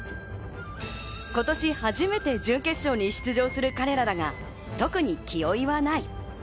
今年初めて準決勝に出場する彼らは特に気負いはない。